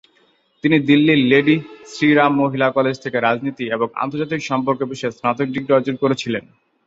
তিনি দিল্লির লেডি শ্রী রাম মহিলা কলেজ থেকে রাজনীতি এবং আন্তর্জাতিক সম্পর্ক বিষয়ে স্নাতক ডিগ্রি অর্জন করেছিলেন।